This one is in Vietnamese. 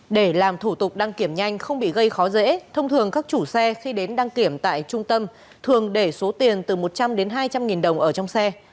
để làm thủ tục đăng kiểm nhanh không bị gây khó dễ thông thường các chủ xe khi đến đăng kiểm tại trung tâm thường để số tiền từ một trăm linh đến hai trăm linh nghìn đồng ở trong xe